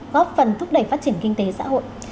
góp phần thúc đẩy phát triển kinh tế xã hội